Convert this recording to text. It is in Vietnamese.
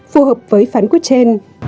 phù hợp với phán quyết trên